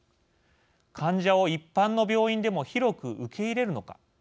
患者を一般の病院でも広く受け入れるのか。